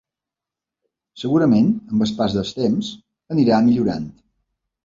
Segurament amb el pas del temps anirà millorant.